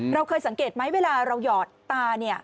เราเคยสังเกตไหมเวลาเราหยอดตาเนี่ย